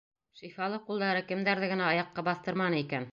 Шифалы ҡулдары кемдәрҙе генә аяҡҡа баҫтырманы икән?!